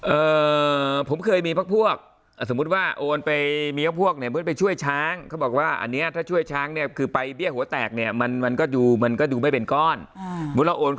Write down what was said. เอ่อผมเคยมีพักพวกสมมุติว่าโอนไปเมียพวกเนี่ยเหมือนไปช่วยช้างเขาบอกว่าอันนี้ถ้าช่วยช้างเนี่ยคือไปเบี้ยหัวแตกเนี่ยมันมันก็ดูมันก็ดูไม่เป็นก้อนอ่า